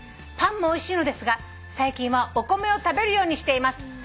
「パンもおいしいのですが最近はお米を食べるようにしています」